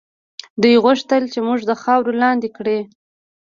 دوی غوښتل چې موږ د خاورو لاندې کړي.